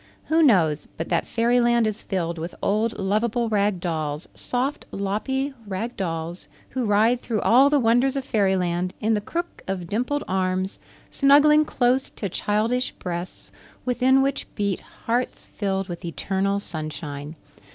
Who knows but that Fairyland is filled with old, lovable Rag Dolls soft, loppy Rag Dolls who ride through all the wonders of Fairyland in the crook of dimpled arms, snuggling close to childish breasts within which beat hearts filled with eternal sunshine.